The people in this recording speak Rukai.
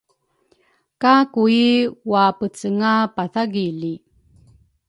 ka Kui wa-apece-nga pathagili.